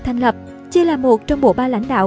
thành lập chia là một trong bộ ba lãnh đạo